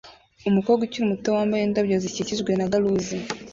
umukobwa ukiri muto wambaye indabyo zikikijwe na garuzi